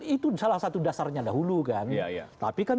itu salah satu dasarnya dahulu kan